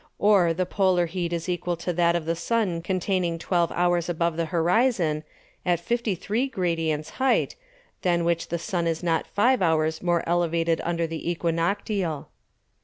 Or the Polar Heat is equal to that of the Sun containing 12 Hours above the Horizon, at 53 gr. height, than which the Sun is not 5 Hours more elevated under the Æquinoctial.